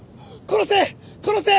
殺せ！